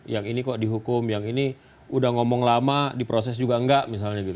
yang ini kok dihukum yang ini udah ngomong lama diproses juga enggak misalnya gitu